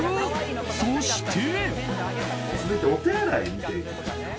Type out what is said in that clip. そして。